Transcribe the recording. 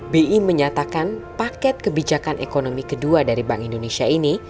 bi menyatakan paket kebijakan ekonomi kedua dari bank indonesia ini